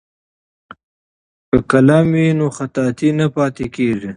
که قلم وي نو خطاطي نه پاتې کیږي.